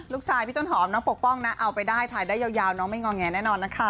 พี่ต้นหอมน้องปกป้องนะเอาไปได้ถ่ายได้ยาวน้องไม่งอแงแน่นอนนะคะ